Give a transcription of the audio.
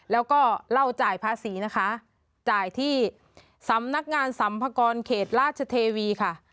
แล้วก็เล่าจ่ายภาษีนะคะจ่ายที่สำนักงานสัมภากรเขตราชเทวีค่ะ